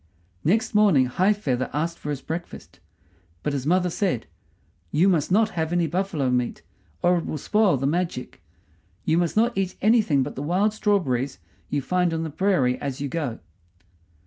Next morning High feather asked for his breakfast; but his mother said, "You must not have any buffalo meat, or it will spoil the magic. You must not eat anything but the wild strawberries you find on the prairie as you go."